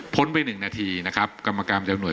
พ้นไป๑นาทีกรรมกรมจำหน่วย